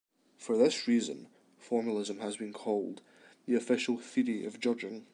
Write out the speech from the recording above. For this reason, formalism has been called 'the official theory of judging'.